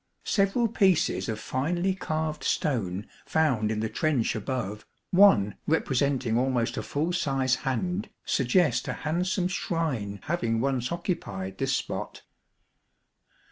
Several pieces of finely carved stone found in the trench above, one representing almost a full size hand, suggest a handsome shrine having once occupied this spot.